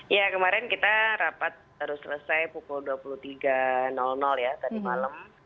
ya kemarin kita rapat harus selesai pukul dua puluh tiga ya tadi malam